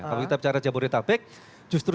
kalau kita bicara jabodetabek justru